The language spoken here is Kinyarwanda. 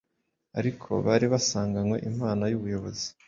ariko bari basanganywe impano y’ubuyobozi.